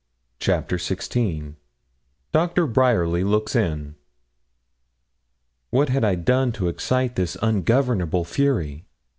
CHAPTER XVI DOCTOR BRYERLY LOOKS IN What had I done to excite this ungovernable fury?